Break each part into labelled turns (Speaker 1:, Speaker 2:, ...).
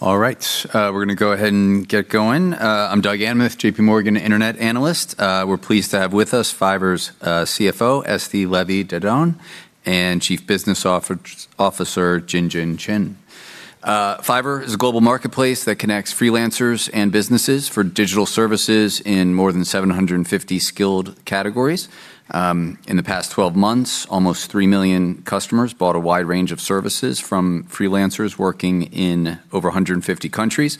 Speaker 1: All right. We're gonna go ahead and get going. I'm Douglas Anmuth, JPMorgan Internet analyst. We're pleased to have with us Fiverr's CFO, Esti Levy Dadon, and Chief Business Officer, Jinjin Qian. Fiverr is a global marketplace that connects freelancers and businesses for digital services in more than 750 skilled categories. In the past 12 months, almost 3 million customers bought a wide range of services from freelancers working in over 150 countries.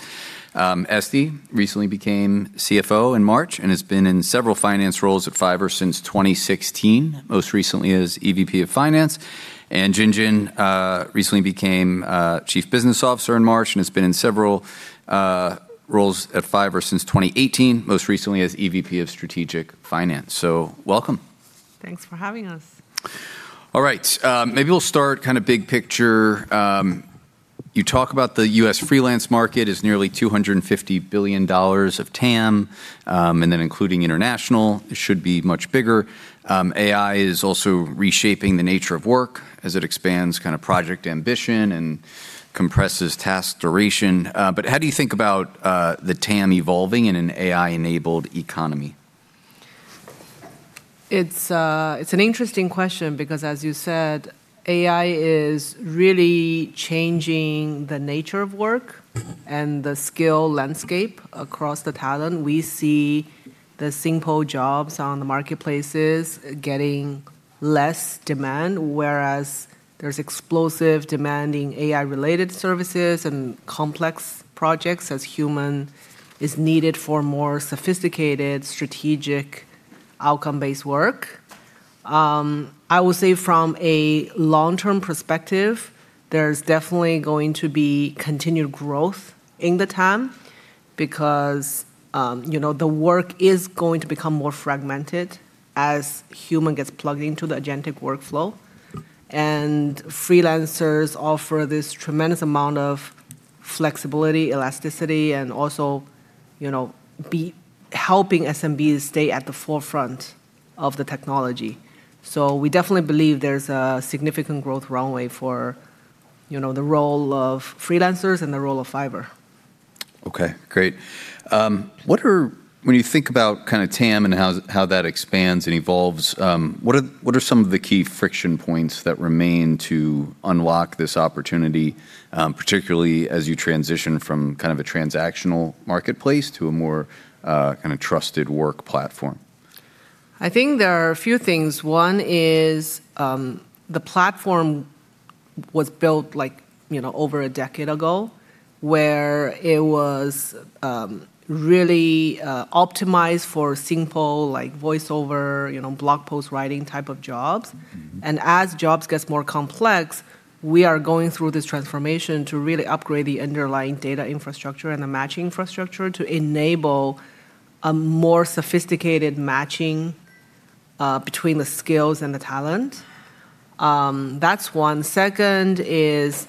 Speaker 1: Esti recently became CFO in March and has been in several finance roles at Fiverr since 2016, most recently as EVP of Finance. Jinjin recently became Chief Business Officer in March and has been in several roles at Fiverr since 2018, most recently as EVP of Strategic Finance. Welcome.
Speaker 2: Thanks for having us.
Speaker 1: All right. Maybe we'll start kind of big picture. You talk about the U.S. freelance market is nearly $250 billion of TAM, and then including international, it should be much bigger. AI is also reshaping the nature of work as it expands kind of project ambition and compresses task duration. How do you think about the TAM evolving in an AI-enabled economy?
Speaker 2: It's an interesting question because, as you said, AI is really changing the nature of work and the skill landscape across the talent. We see the simple jobs on the marketplaces getting less demand, whereas there's explosive demanding AI-related services and complex projects as human is needed for more sophisticated strategic outcome-based work. I would say from a long-term perspective, there's definitely going to be continued growth in the TAM because, you know, the work is going to become more fragmented as human gets plugged into the agentic workflow. Freelancers offer this tremendous amount of flexibility, elasticity, and also, you know, be helping SMBs stay at the forefront of the technology. We definitely believe there's a significant growth runway for, you know, the role of freelancers and the role of Fiverr.
Speaker 1: Okay. Great. When you think about kind of TAM and how that expands and evolves, what are some of the key friction points that remain to unlock this opportunity, particularly as you transition from kind of a transactional marketplace to a more, kind of trusted work platform?
Speaker 2: I think there are a few things. One is, the platform was built like, you know, over a decade ago, where it was, really, optimized for simple, like voiceover, you know, blog post writing type of jobs. As jobs gets more complex, we are going through this transformation to really upgrade the underlying data infrastructure and the matching infrastructure to enable a more sophisticated matching between the skills and the talent. That's one. Second is,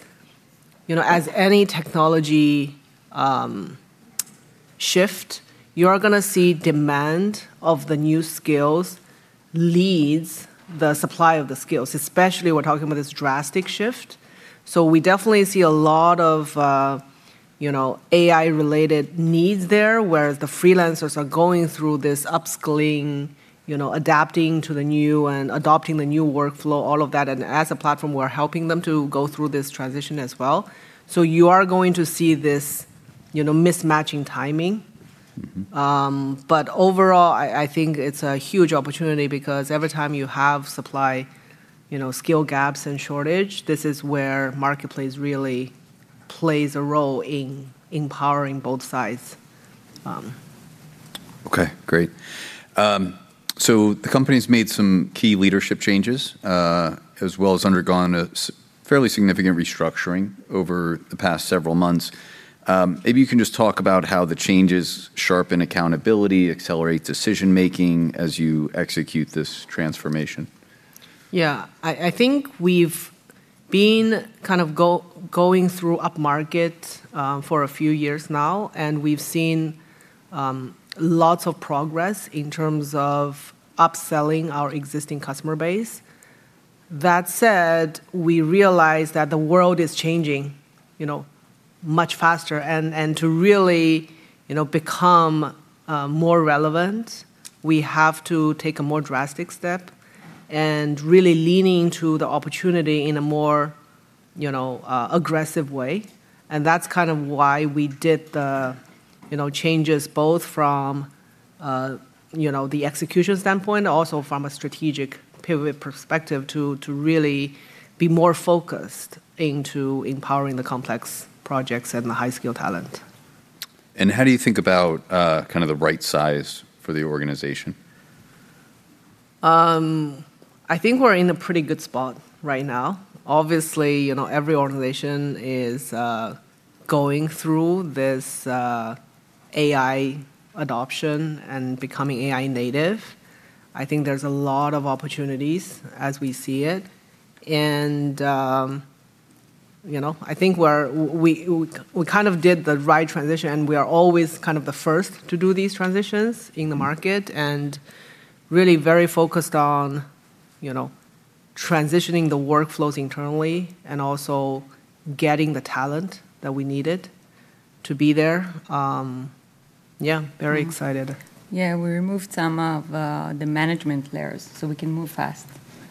Speaker 2: you know, as any technology shift, you are gonna see demand of the new skills leads the supply of the skills, especially we're talking about this drastic shift. We definitely see a lot of, you know, AI-related needs there, where the freelancers are going through this upskilling, you know, adapting to the new and adopting the new workflow, all of that. As a platform, we're helping them to go through this transition as well. You are going to see this, you know, mismatch in timing. Overall, I think it's a huge opportunity because every time you have supply, you know, skill gaps and shortage, this is where marketplace really plays a role in empowering both sides.
Speaker 1: Okay. Great. The company's made some key leadership changes, as well as undergone a fairly significant restructuring over the past several months. Maybe you can just talk about how the changes sharpen accountability, accelerate decision-making as you execute this transformation.
Speaker 2: I think we've been kind of going through upmarket for a few years now, and we've seen lots of progress in terms of upselling our existing customer base. That said, we realize that the world is changing, you know, much faster. To really, you know, become more relevant, we have to take a more drastic step and really leaning to the opportunity in a more, you know, aggressive way. That's kind of why we did the, you know, changes both from, you know, the execution standpoint, also from a strategic pivot perspective to really be more focused into empowering the complex projects and the high-skill talent.
Speaker 1: How do you think about kind of the right size for the organization?
Speaker 2: I think we're in a pretty good spot right now. Obviously, you know, every organization is going through this AI adoption and becoming AI native. I think there's a lot of opportunities as we see it. You know, I think we kind of did the right transition, and we are always kind of the first to do these transitions in the market and really very focused on transitioning the workflows internally and also getting the talent that we needed to be there. Yeah, very excited.
Speaker 3: Yeah, we removed some of the management layers so we can move fast.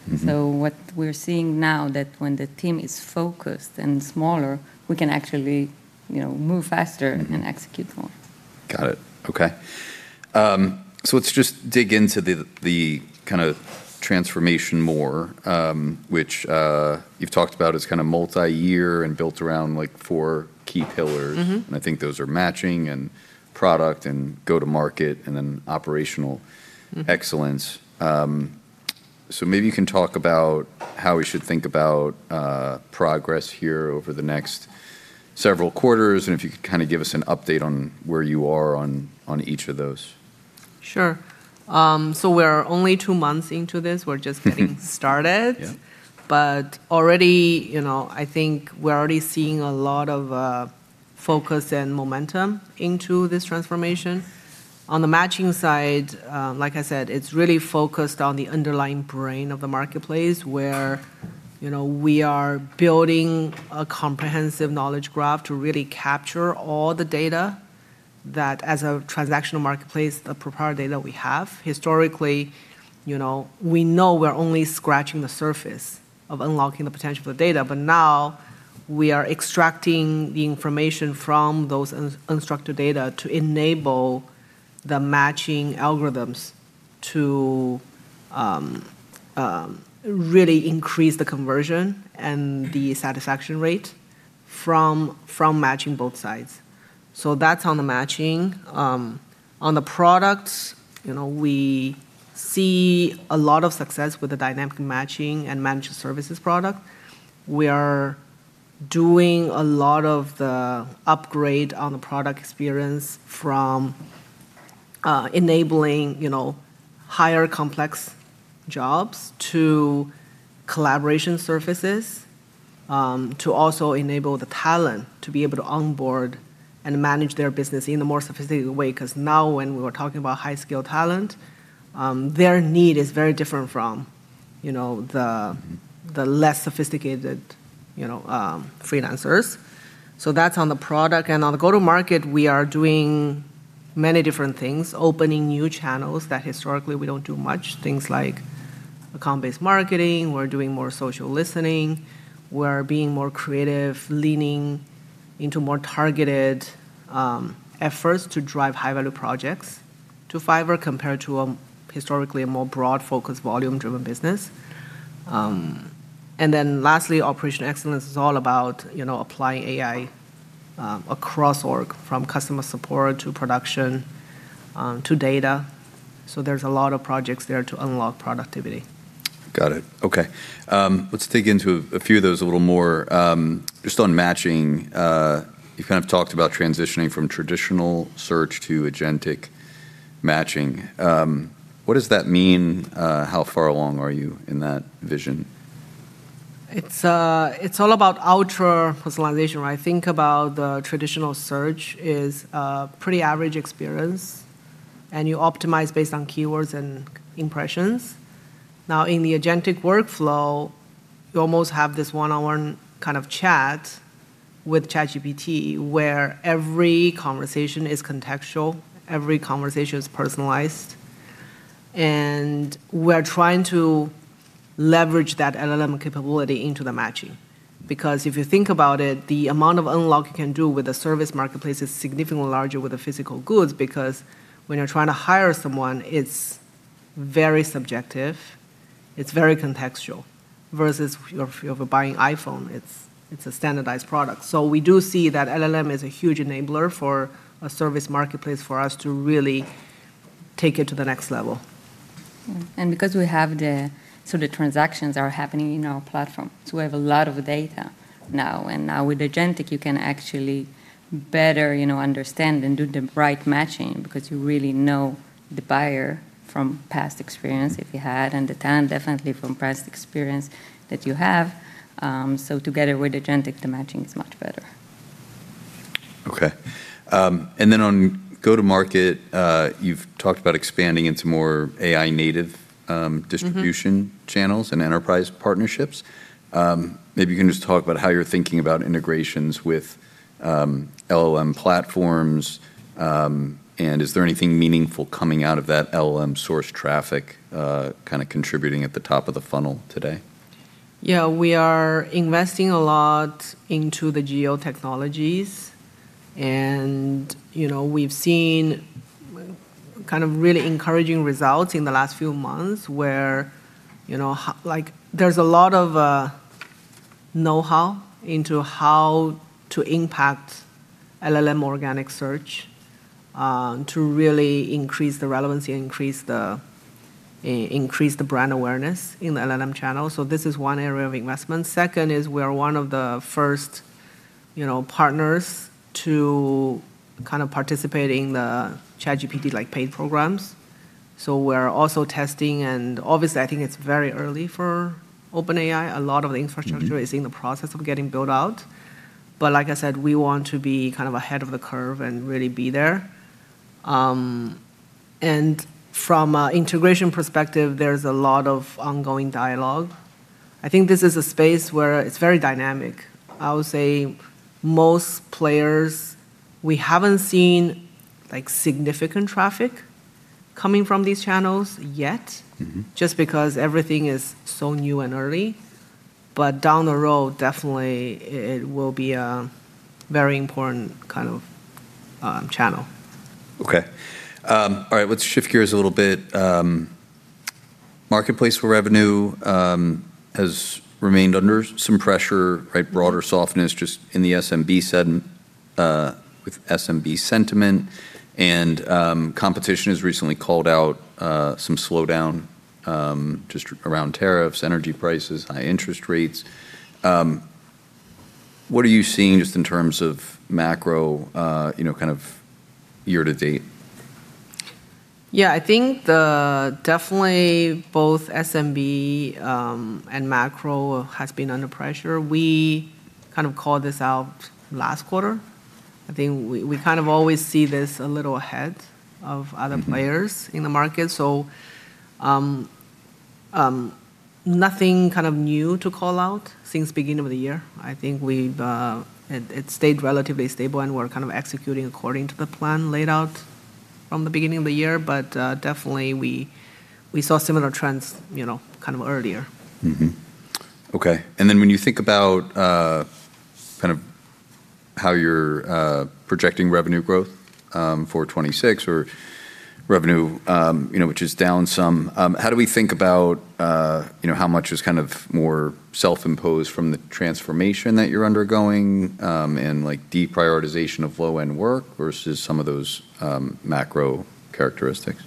Speaker 3: What we're seeing now that when the team is focused and smaller, we can actually, you know, move faster. Execute more.
Speaker 1: Got it. Okay. Let's just dig into the kind of transformation more, which you've talked about as kind of multi-year and built around, like, four key pillars. I think those are matching and product and go-to-market, and then operational. Excellence. Maybe you can talk about how we should think about progress here over the next several quarters, and if you could kind of give us an update on where you are on each of those.
Speaker 2: Sure. We're only two months into this. We're just started.
Speaker 1: Yeah.
Speaker 2: Already, you know, I think we're already seeing a lot of focus and momentum into this transformation. On the matching side, like I said, it's really focused on the underlying brain of the marketplace, where, you know, we are building a comprehensive knowledge graph to really capture all the data that, as a transactional marketplace, the proprietary data we have. Historically, you know, we know we're only scratching the surface of unlocking the potential of the data, but now we are extracting the information from those unstructured data to enable the matching algorithms to really increase the conversion and the satisfaction rate from matching both sides. That's on the matching. On the products, you know, we see a lot of success with the Dynamic Matching and Managed Services Product. We are doing a lot of the upgrade on the product experience from enabling, you know, higher complex jobs to collaboration surfaces, to also enable the talent to be able to onboard and manage their business in a more sophisticated way. 'Cause now when we were talking about high-skill talent, their need is very different from, you know. The less sophisticated, you know, freelancers. That's on the product. On the go-to-market, we are doing many different things, opening new channels that historically we don't do much, things like account-based marketing. We're doing more social listening. We're being more creative, leaning into more targeted efforts to drive high-value projects to Fiverr compared to a, historically, a more broad-focused, volume-driven business. Lastly, operation excellence is all about, you know, applying AI across org, from customer support to production, to data. There's a lot of projects there to unlock productivity.
Speaker 1: Got it. Okay. Let's dig into a few of those a little more. Just on matching, you kind of talked about transitioning from traditional search to agentic matching. What does that mean? How far along are you in that vision?
Speaker 2: It's all about ultra-personalization, right? Think about the traditional search is a pretty average experience, and you optimize based on keywords and impressions. Now, in the agentic workflow, you almost have this one-on-one kind of chat with ChatGPT, where every conversation is contextual. Every conversation is personalized. We're trying to leverage that LLM capability into the matching. If you think about it, the amount of unlock you can do with a service marketplace is significantly larger with the physical goods because when you're trying to hire someone, it's very subjective. It's very contextual, versus if you're buying iPhone, it's a standardized product. We do see that LLM is a huge enabler for a service marketplace for us to really take it to the next level.
Speaker 3: Because the transactions are happening in our platform, we have a lot of data now. Now with agentic, you can actually better, you know, understand and do the right matching because you really know the buyer from past experience, if you had, and the talent definitely from past experience that you have. Together with agentic, the matching is much better.
Speaker 1: Okay. On go-to-market, you've talked about expanding into more AI native, Distribution channels and enterprise partnerships. Maybe you can just talk about how you're thinking about integrations with LLM platforms. Is there anything meaningful coming out of that LLM source traffic, kinda contributing at the top of the funnel today?
Speaker 2: Yeah, we are investing a lot into the GEO Technologies, you know, we've seen kind of really encouraging results in the last few months, where, you know, like, there's a lot of know-how into how to impact LLM organic search to really increase the relevancy and increase the brand awareness in the LLM channel. This is 1 area of investment. 2nd is we are one of the 1st, you know, partners to kind of participate in the ChatGPT, like, paid programs. We're also testing. Obviously I think it's very early for OpenAI. Is in the process of getting built out. Like I said, we want to be kind of ahead of the curve and really be there. From a integration perspective, there's a lot of ongoing dialogue. I think this is a space where it's very dynamic. I would say most players, we haven't seen, like, significant traffic coming from these channels yet. Just because everything is so new and early. Down the road, definitely it will be a very important kind of, channel.
Speaker 1: Okay. All right, let's shift gears a little bit. Marketplace revenue has remained under some pressure, right? Broader softness just in the SMB, with SMB sentiment. Competition has recently called out some slowdown just around tariffs, energy prices, high interest rates. What are you seeing just in terms of macro, you know, kind of year to date?
Speaker 2: Yeah, I think definitely both SMB and macro has been under pressure. We kind of called this out last quarter. I think we kind of always see this a little ahead. players in the market. Nothing kind of new to call out since beginning of the year. I think we've it stayed relatively stable, and we're kind of executing according to the plan laid out from the beginning of the year. Definitely we saw similar trends, you know, kind of earlier.
Speaker 1: Mm-hmm. Okay. When you think about, kind of how you're projecting revenue growth, for 2026 or revenue, you know, which is down some. How do we think about, you know, how much is kind of more self-imposed from the transformation that you're undergoing, and, like, deprioritization of low-end work versus some of those, macro characteristics?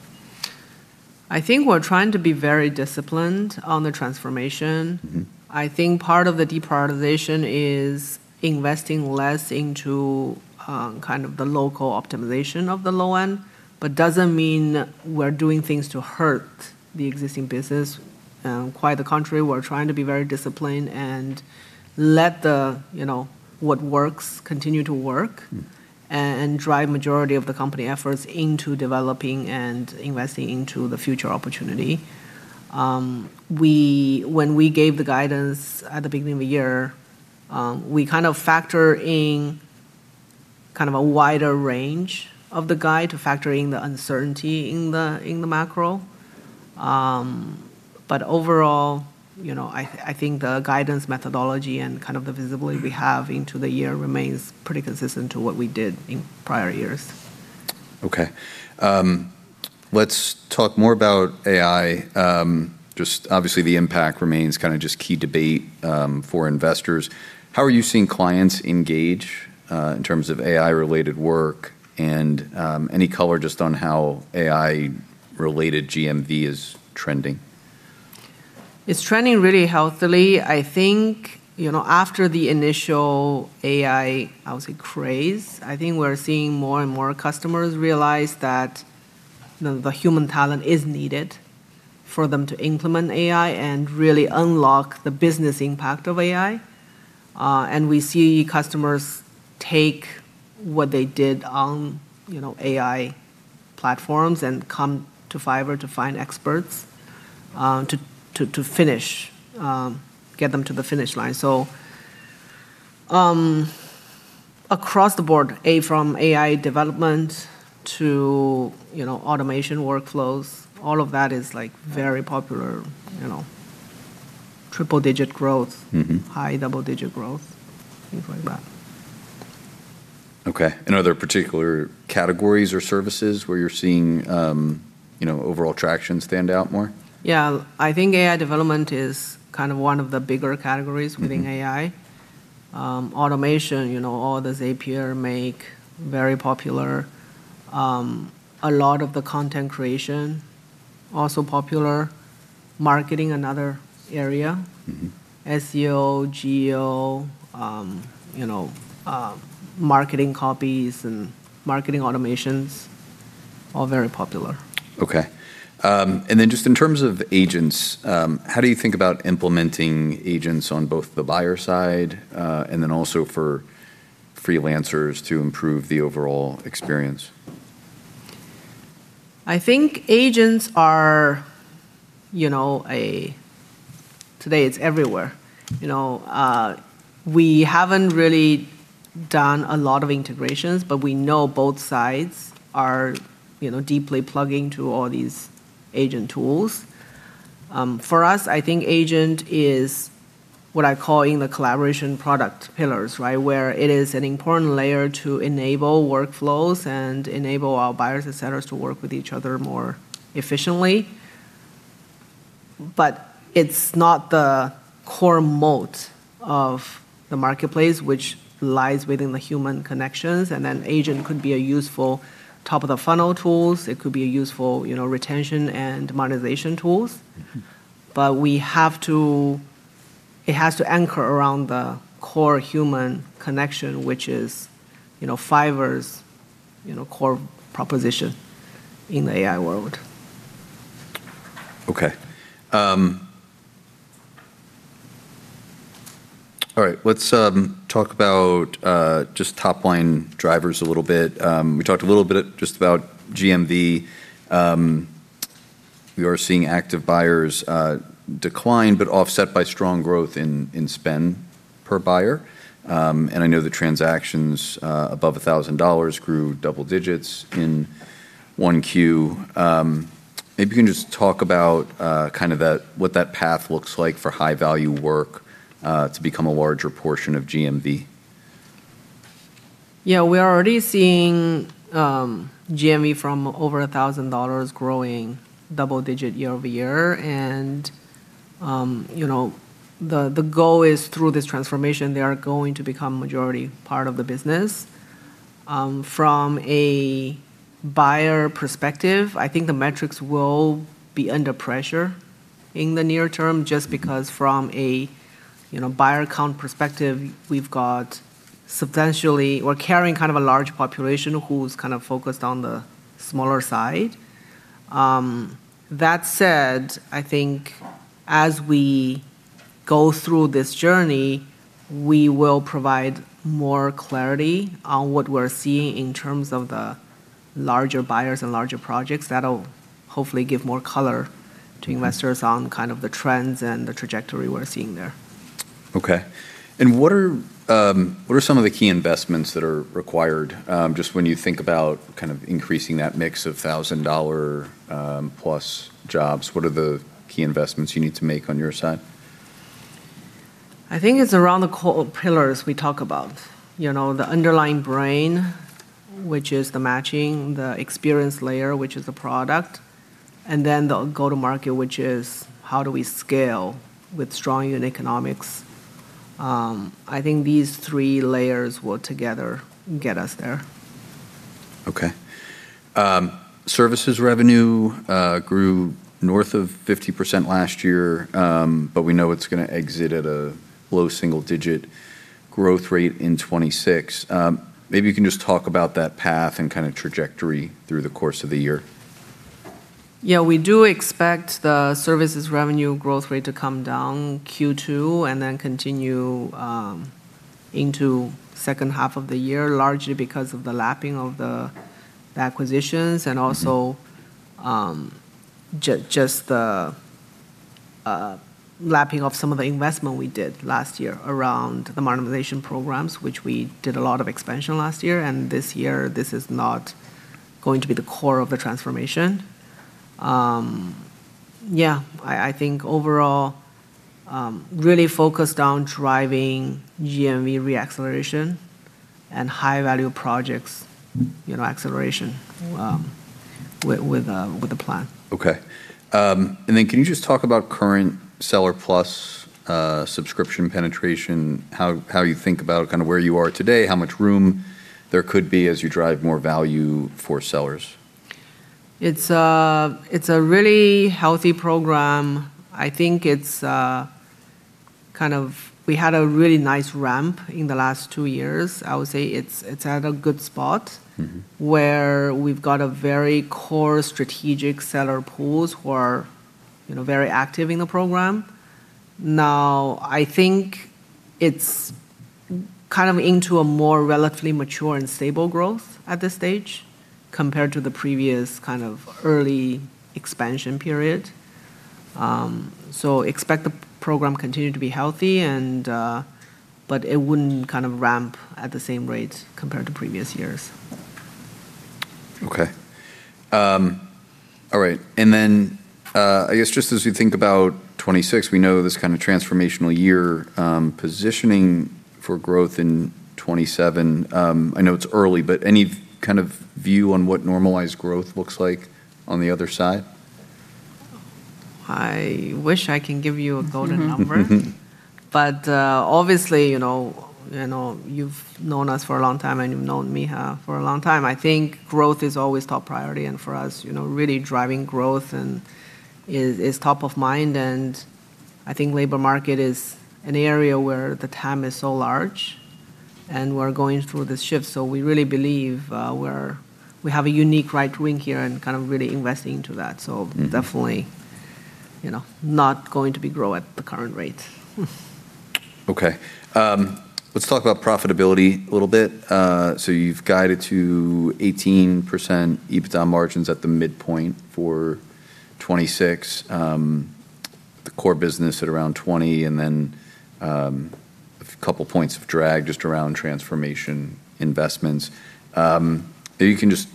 Speaker 2: I think we're trying to be very disciplined on the transformation. I think part of the deprioritization is investing less into, kind of the local optimization of the low end, but doesn't mean we're doing things to hurt the existing business. Quite the contrary, we're trying to be very disciplined and let the, you know, what works continue to work. Drive majority of the company efforts into developing and investing into the future opportunity. When we gave the guidance at the beginning of the year, we kind of factor in kind of a wider range of the guide to factor in the uncertainty in the, in the macro. Overall, you know, I think the guidance methodology and kind of the visibility we have into the year remains pretty consistent to what we did in prior years.
Speaker 1: Okay. Let's talk more about AI. Just obviously the impact remains kind of just key debate for investors. How are you seeing clients engage in terms of AI-related work and any color just on how AI-related GMV is trending?
Speaker 2: It's trending really healthily. I think, you know, after the initial AI, I would say, craze, I think we're seeing more and more customers realize that the human talent is needed for them to implement AI and really unlock the business impact of AI. We see customers take what they did on, you know, AI platforms and come to Fiverr to find experts to finish, get them to the finish line. Across the board, from AI development to, you know, automation workflows, all of that is, like, very popular, you know, three-digit growth. High double-digit growth, things like that.
Speaker 1: Okay. Are there particular categories or services where you're seeing, you know, overall traction stand out more?
Speaker 2: Yeah. I think AI development is kind of one of the bigger categories, within AI. automation, you know, all the Zapier Make very popular. A lot of the content creation also popular. Marketing, another area. SEO, GEO, you know, marketing copies and marketing automations, all very popular.
Speaker 1: Okay. Just in terms of agents, how do you think about implementing agents on both the buyer side, and then also for freelancers to improve the overall experience?
Speaker 2: I think agents are, you know, today it's everywhere. You know, we haven't really done a lot of integrations, but we know both sides are, you know, deeply plugging to all these agent tools. For us, I think agent is what I call in the collaboration product pillars, right? Where it is an important layer to enable workflows and enable our buyers and sellers to work with each other more efficiently. But it's not the core moat of the marketplace, which lies within the human connections. Then agent could be a useful top-of-the-funnel tools. It could be a useful, you know, retention and monetization tools. It has to anchor around the core human connection, which is, you know, Fiverr's, you know, core proposition in the AI world.
Speaker 1: All right. Let's talk about top line drivers a little bit. We talked a little bit about GMV. We are seeing active buyers decline, offset by strong growth in spend per buyer. I know the transactions above $1,000 grew double digits in 1Q. Maybe you can talk about what that path looks like for high-value work to become a larger portion of GMV.
Speaker 2: Yeah, we are already seeing GMV from over $1,000 growing double-digit year-over-year and, you know, the goal is through this transformation they are going to become majority part of the business. From a buyer perspective, I think the metrics will be under pressure in the near term just because from a, you know, buyer count perspective, we're carrying kind of a large population who's kind of focused on the smaller side. That said, I think as we go through this journey, we will provide more clarity on what we're seeing in terms of the larger buyers and larger projects. That'll hopefully give more color to investors on kind of the trends and the trajectory we're seeing there.
Speaker 1: Okay. What are some of the key investments that are required, just when you think about kind of increasing that mix of $1,000 plus jobs, what are the key investments you need to make on your side?
Speaker 2: I think it's around the core pillars we talk about. You know, the underlying brain, which is the matching, the experience layer, which is the product, and then the go-to-market, which is how do we scale with strong unit economics. I think these three layers will together get us there.
Speaker 1: Okay. Services revenue grew north of 50% last year. We know it's gonna exit at a low single-digit growth rate in 2026. Maybe you can just talk about that path and kind of trajectory through the course of the year.
Speaker 2: Yeah, we do expect the services revenue growth rate to come down Q2 and then continue into second half of the year, largely because of the lapping of the acquisitions and also just the lapping of some of the investment we did last year around the modernization programs, which we did a lot of expansion last year. This year this is not going to be the core of the transformation. Yeah, I think overall, really focused on driving GMV re-acceleration and high-value projects, you know, acceleration with the plan.
Speaker 1: Okay. Can you just talk about current Seller Plus subscription penetration, how you think about kind of where you are today, how much room there could be as you drive more value for sellers?
Speaker 2: It's a really healthy program. I think We had a really nice ramp in the last two years. I would say it's at a good spot. Where we've got a very core strategic seller pools who are, you know, very active in the program. Now, I think it's kind of into a more relatively mature and stable growth at this stage compared to the previous kind of early expansion period. expect the program continue to be healthy, but it wouldn't kind of ramp at the same rate compared to previous years.
Speaker 1: Okay. All right. I guess just as you think about 2026, we know this kind of transformational year, positioning for growth in 2027, I know it's early, but any kind of view on what normalized growth looks like on the other side?
Speaker 2: I wish I can give you a golden number. Obviously, you know, you've known us for a long time, and you've known Micha for a long time. I think growth is always top priority, and for us, you know, really driving growth is top of mind, and I think labor market is an area where the TAM is so large, and we're going through this shift. We really believe we have a unique right to win here and kind of really investing into that. Definitely, you know, not going to be grow at the current rate.
Speaker 1: Okay. Let's talk about profitability a little bit. You've guided to 18% EBITDA margins at the midpoint for 2026, the core business at around 20%, and then 2 points of drag just around transformation investments. If you can just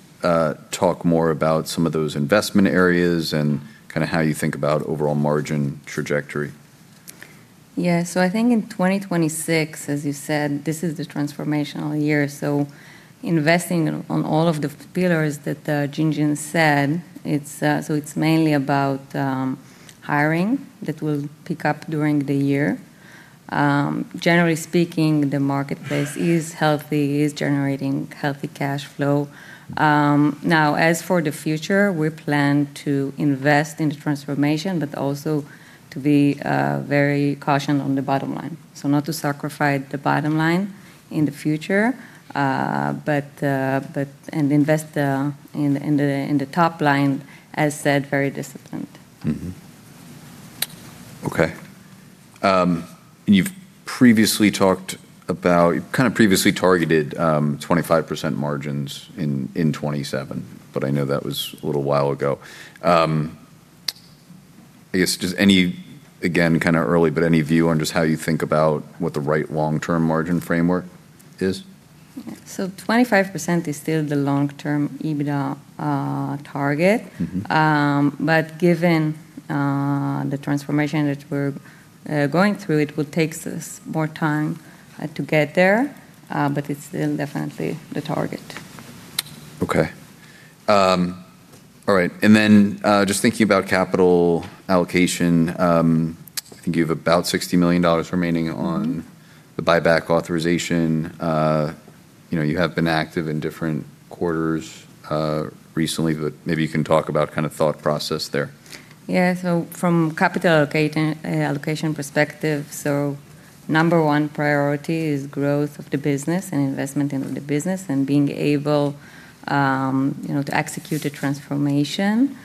Speaker 1: talk more about some of those investment areas and kind of how you think about overall margin trajectory.
Speaker 3: Yeah. I think in 2026, as you said, this is the transformational year. Investing on all of the pillars that Jinjin said, it's mainly about hiring that will pick up during the year. Generally speaking, the marketplace is healthy, is generating healthy cash flow. Now, as for the future, we plan to invest in the transformation, but also to be very cautious on the bottom line. Not to sacrifice the bottom line in the future, but And invest in the top line, as said, very disciplined.
Speaker 1: Okay. You kind of previously targeted 25% margins in 2027, I know that was a little while ago. I guess just any, again, kind of early, any view on just how you think about what the right long-term margin framework is?
Speaker 3: 25% is still the long-term EBITDA target. Given the transformation that we're going through, it will takes us more time to get there. It's still definitely the target.
Speaker 1: Okay. all right. Just thinking about capital allocation, I think you have about $60 million remaining on the buyback authorization. You know, you have been active in different quarters, recently, but maybe you can talk about kind of thought process there.
Speaker 3: From capital allocation perspective, number one priority is growth of the business and investment into the business and being able, you know, to execute a transformation.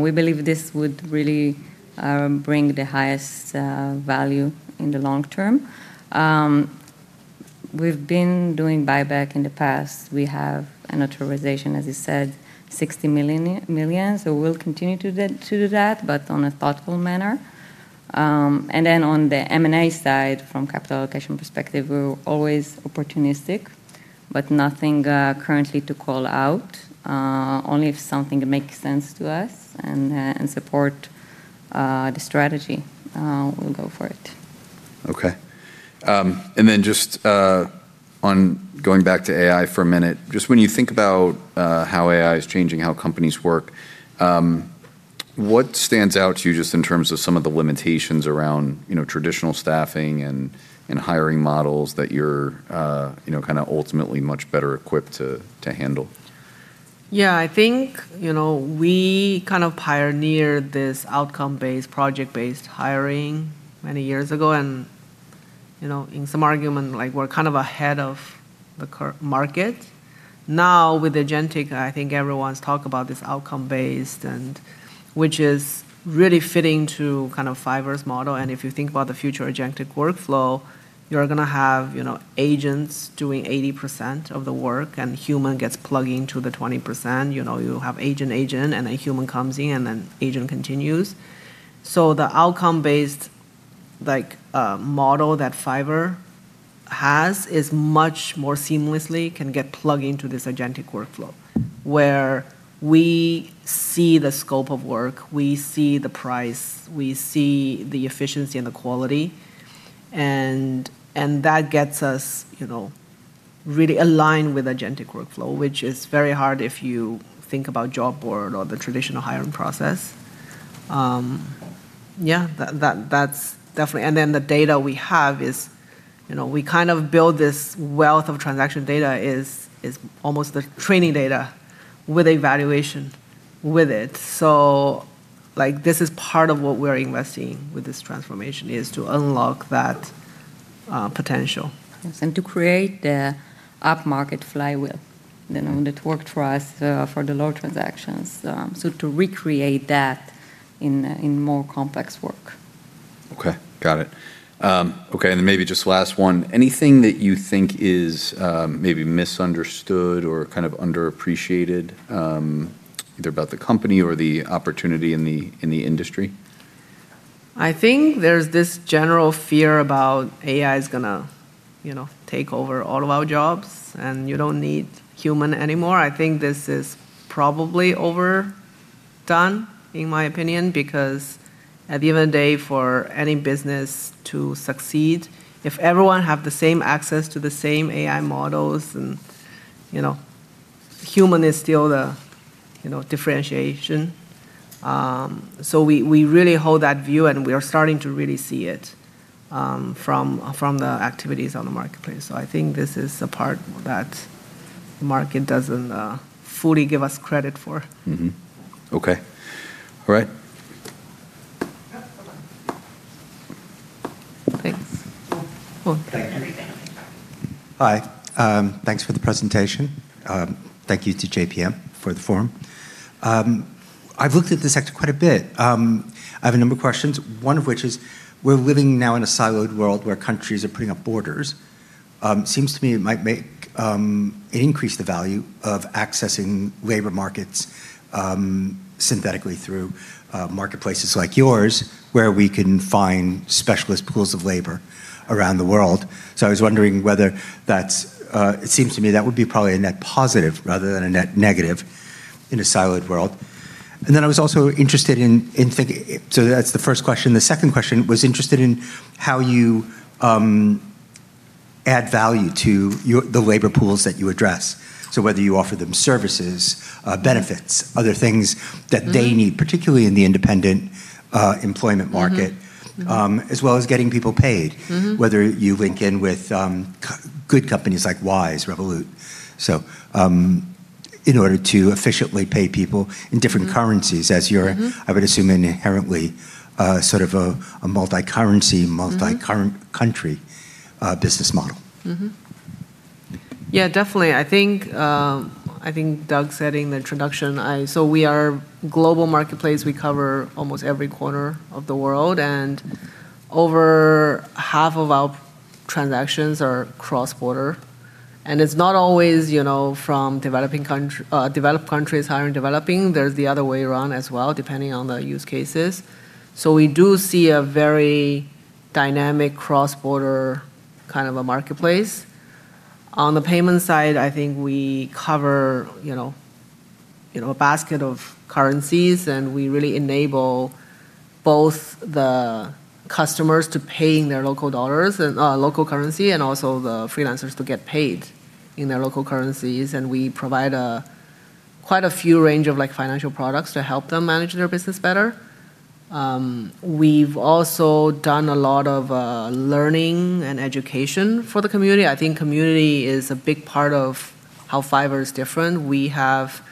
Speaker 3: We believe this would really bring the highest value in the long term. We've been doing buyback in the past. We have an authorization, as you said, $60 million. We'll continue to do that, but on a thoughtful manner. On the M&A side, from capital allocation perspective, we're always opportunistic, but nothing currently to call out. Only if something makes sense to us and support the strategy, we'll go for it.
Speaker 1: Okay. Then just on going back to AI for a minute. Just when you think about how AI is changing how companies work, what stands out to you just in terms of some of the limitations around, you know, traditional staffing and hiring models that you're, you know, kind of ultimately much better equipped to handle?
Speaker 2: Yeah. I think, you know, we kind of pioneered this outcome-based, project-based hiring many years ago. You know, in some argument, like, we're kind of ahead of the market. Now, with agentic, I think everyone's talked about this outcome-based and which is really fitting to kind of Fiverr's model. If you think about the future agentic workflow, you're gonna have, you know, agents doing 80% of the work and human gets plugged into the 20%. You know, you have agent, and a human comes in, and then agent continues. The outcome-based, like, model that Fiverr has is much more seamlessly can get plugged into this agentic workflow, where we see the scope of work, we see the price, we see the efficiency and the quality, and that gets us, you know, really aligned with agentic workflow, which is very hard if you think about job board or the traditional hiring process. Yeah. That's definitely. The data we have is, you know, we kind of build this wealth of transaction data is almost the training data with evaluation with it. Like this is part of what we're investing with this transformation, is to unlock that potential.
Speaker 3: Yes. To create the upmarket flywheel, you know, that worked for us for the low transactions, to recreate that in more complex work.
Speaker 1: Okay. Got it. Okay, maybe just last one. Anything that you think is maybe misunderstood or kind of underappreciated, either about the company or the opportunity in the industry?
Speaker 2: I think there's this general fear about AI's gonna, you know, take over all of our jobs, and you don't need human anymore. I think this is probably overdone, in my opinion, because at the end of the day, for any business to succeed, if everyone have the same access to the same AI models and, you know, human is still the, you know, differentiation. We really hold that view, and we are starting to really see it from the activities on the marketplace. I think this is a part that the market doesn't fully give us credit for.
Speaker 1: Okay. All right.
Speaker 3: Yeah. Hold on. Thanks.
Speaker 1: Cool.
Speaker 3: Cool.
Speaker 4: Thank you.
Speaker 1: Yeah.
Speaker 4: Hi. Thanks for the presentation. Thank you to JPMorgan for the forum. I've looked at this sector quite a bit. I have a number of questions, one of which is, we're living now in a siloed world where countries are putting up borders. Seems to me it might make it increase the value of accessing labor markets synthetically through marketplaces like yours, where we can find specialist pools of labor around the world. I was wondering whether that's, it seems to me that would be probably a net positive rather than a net negative in a siloed world. I was also interested in, that's the first question. The second question was interested in how you add value to your, the labor pools that you address. Whether you offer them services, benefits, other things that they need. Particularly in the independent, employment market.
Speaker 3: Mm-hmm. Mm-hmm
Speaker 4: As well as getting people paid. Whether you link in with good companies like Wise, Revolut. In order to efficiently pay people in different currencies. As you're, I would assume, inherently, sort of a multicurrency, multi-country, business model.
Speaker 2: Yeah, definitely. I think, I think Douglas said in the introduction, we are global marketplace. We cover almost every corner of the world, over half of our transactions are cross-border. It's not always, you know, from developing developed countries hiring developing. There's the other way around as well, depending on the use cases. We do see a very dynamic cross-border kind of a marketplace. On the payment side, I think we cover, you know, you know, a basket of currencies, and we really enable both the customers to paying their local dollars and local currency, and also the freelancers to get paid in their local currencies. We provide quite a few range of, like, financial products to help them manage their business better. We've also done a lot of learning and education for the community. I think community is a big part of how Fiverr is different. We have,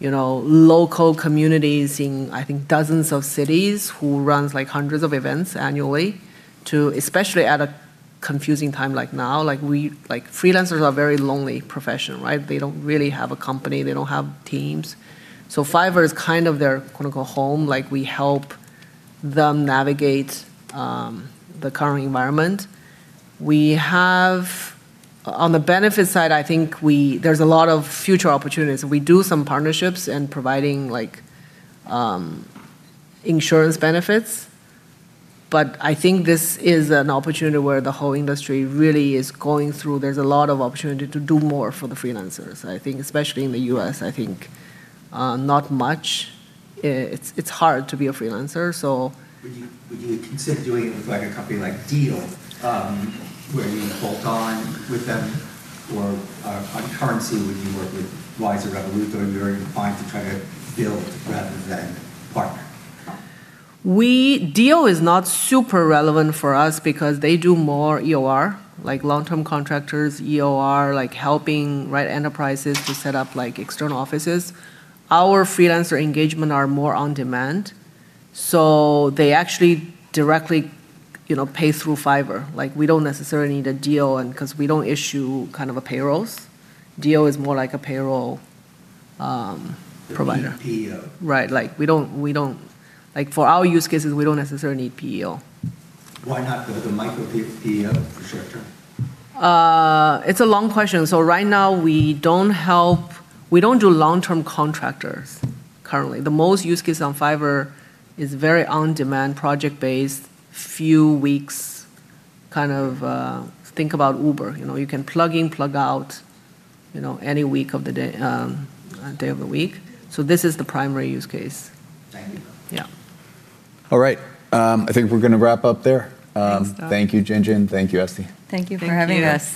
Speaker 2: you know, local communities in, I think, dozens of cities who runs, like, hundreds of events annually. Especially at a confusing time like now, like, freelancers are very lonely profession, right? They don't really have a company. They don't have teams. Fiverr is kind of their, quote-unquote, "home." Like, we help them navigate the current environment. We have on the benefits side, I think there's a lot of future opportunities. We do some partnerships in providing, like, insurance benefits. I think this is an opportunity where the whole industry really is going through. There's a lot of opportunity to do more for the freelancers. I think especially in the U.S., I think not much, it's hard to be a freelancer.
Speaker 4: Would you consider doing it with, like, a company like Deel, where you bolt on with them? Or, on currency, would you work with Wise or Revolut? Or are you very inclined to try to build rather than partner?
Speaker 2: We Deel is not super relevant for us because they do more EOR, like long-term contractors, EOR, like helping right enterprises to set up, like, external offices. Our freelancer engagement are more on-demand, so they actually directly, you know, pay through Fiverr. We don't necessarily need a Deel and 'cause we don't issue kind of a payrolls. Deel is more like a payroll provider.
Speaker 4: They're PEO.
Speaker 2: Right. Like, we don't Like, for our use cases, we don't necessarily need PEO.
Speaker 4: Why not go with a micro PEO for short term?
Speaker 2: It's a long question. Right now, we don't do long-term contractors currently. The most use case on Fiverr is very on-demand, project-based, few weeks kind of. Think about Uber. You know, you can plug in, plug out, you know, any week of the day of the week. This is the primary use case.
Speaker 4: Thank you.
Speaker 2: Yeah.
Speaker 1: All right. I think we're gonna wrap up there.
Speaker 2: Thanks, Douglas.
Speaker 1: thank you, Jinjin. Thank you, Esti.
Speaker 3: Thank you for having us.